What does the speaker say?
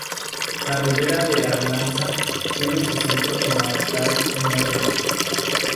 La Ribera de Arlanza tiene su centro comarcal en Lerma.